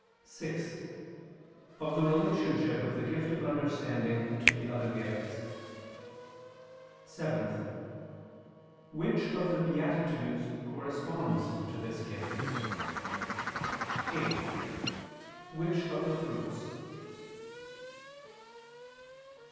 (6) Of the relationship of the gift of understanding to the other gifts. (7) Which of the beatitudes corresponds to this gift? (8) Which of the fruits?